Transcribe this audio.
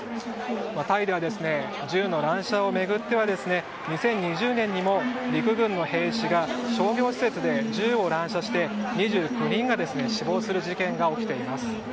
タイでは、銃の乱射を巡っては２０２０年にも陸軍の兵士が商業施設で銃を乱射して２９人が死亡する事件が起きています。